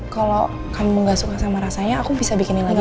kalau kamu gak suka sama rasanya aku bisa bikinin lagi